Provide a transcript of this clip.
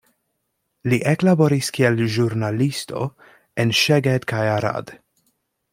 Li eklaboris kiel ĵurnalisto en Szeged kaj Arad.